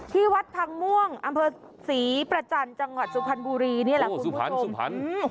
ที่วัดพังม่วงอำเภอศรีประจันทร์จังหวัดสุพรรณบุรีนี่แหละค่ะสุพรรณสุพรรณ